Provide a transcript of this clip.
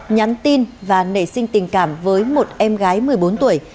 nhắn tin và nảy sinh tình cảm với một em gái một mươi bốn tuổi